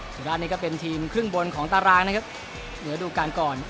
สุราชนี่ก็เป็นทีมครึ่งบนของตารางนะครับเหลือดูการก่อน